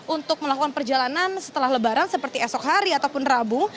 untuk melakukan perjalanan setelah lebaran seperti esok hari ataupun rabu